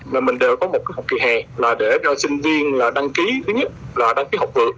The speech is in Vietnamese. mà mình đều có một cái học kỳ hè là để cho sinh viên là đăng ký thứ nhất là đăng ký học vượt